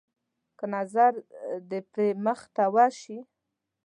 که نظر د پري مخ ته وشي.